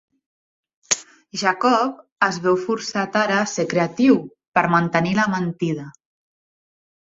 Jacob es veu forçat ara a ser creatiu per mantenir la mentida.